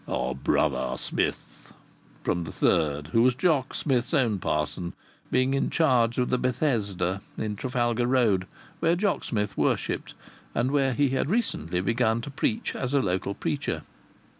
"Brother Smith!" from the third, who was Jock Smith's own parson, being in charge of the Bethesda in Trafalgar Road where Jock Smith worshipped and where he had recently begun to preach as a local preacher.